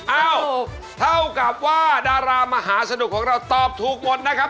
เอ้าเท่ากับว่าดารามหาสนุกของเราตอบถูกหมดนะครับ